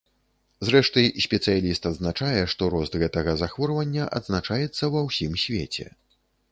Зрэшты, спецыяліст адзначае, што рост гэтага захворвання адзначаецца ва ўсім свеце.